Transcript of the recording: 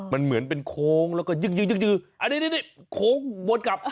มันเหมือนเป็นโค้งแล้วก็ยึกอันนี้โค้งวนกลับ